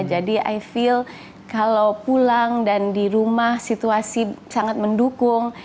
jadi i feel kalau pulang dan di rumah situasi sangat mendukung